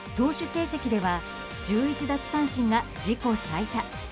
成績では１１奪三振が自己最多。